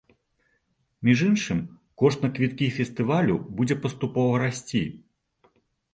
Між іншым, кошт на квіткі фестывалю будзе паступова расці.